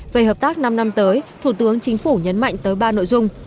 về hợp tác năm năm tới thủ tướng chính phủ nhấn mạnh tới ba nội dung